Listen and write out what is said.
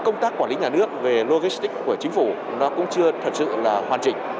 công tác quản lý nhà nước về logistics của chính phủ cũng chưa hoàn chỉnh